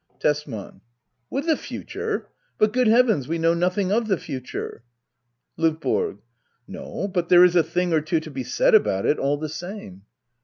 Tesman, With the future ! But, good heavens, we know nothing of the future ! LdVBORO. No; but there is a thing or two to be said about it all the same.